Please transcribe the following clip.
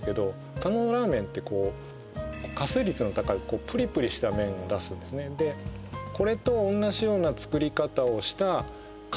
佐野ラーメンってこう加水率の高いこうプリプリした麺を出すんですねでこれと同じような作り方をした皮